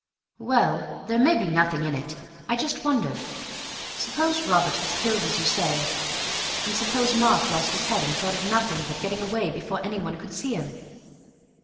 "Well, there may be nothing in it; I just wondered. Suppose Robert was killed as you say, and suppose Mark lost his head and thought of nothing but getting away before anyone could see him.